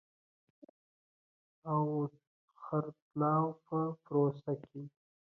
او خرڅلاو په پروسه کې